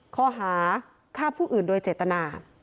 ข้อหาฆ่าผู้อื่นโดยเจตนา